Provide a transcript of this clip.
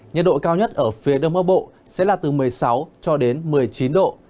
nhiệt độ cao nhất ở phía đông bắc bộ sẽ là từ một mươi sáu cho đến một mươi chín độ